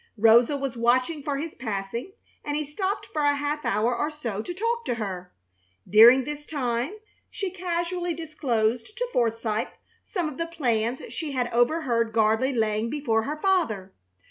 Rosa was watching for his passing, and he stopped a half hour or so to talk to her. During this time she casually disclosed to Forsythe some of the plans she had overheard Gardley laying before her father.